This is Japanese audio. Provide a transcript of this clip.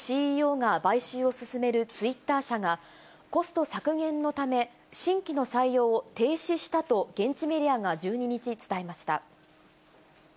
ＣＥＯが買収を進めるツイッター社が、コスト削減のため、新規の採用を停止したと現地メディアが１２日、伝えました。